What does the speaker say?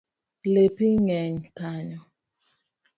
Lepi ng’eny kanyo